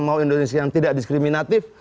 mau indonesia yang tidak diskriminatif